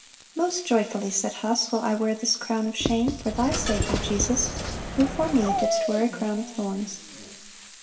'Most joyfully,' said Huss, 'will I wear this crown of shame for Thy sake, O Jesus, who for me didst wear a crown of thorns.